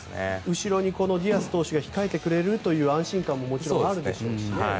後ろにディアス投手が控えてくれるという安心感ももちろんあるでしょうしね。